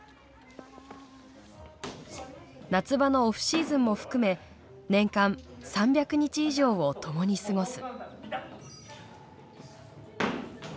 夏場のオフシーズンも含め年間３００日以上を共に過ごす。